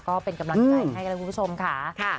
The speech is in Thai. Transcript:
ก็เป็นกำลังใจให้กันแล้วคุณผู้ชมค่ะ